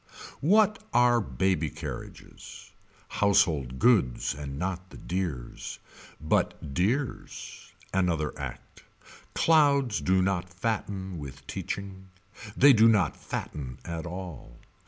What are baby carriages Household goods And not the dears. But dears. Another Act. Clouds do not fatten with teaching. They do not fatten at all.